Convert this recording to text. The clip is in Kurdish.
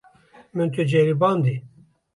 Min tu ceribandî.